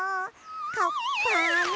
かっぱの」